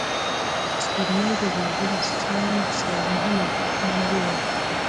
سپوږمۍ د لرغوني ساینس یوه مهمه موضوع وه